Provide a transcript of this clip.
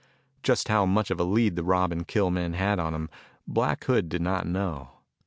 Just how much of a lead the rob and kill men had on him, Black Hood did not know.